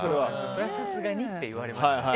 それはさすがにって言われましたね。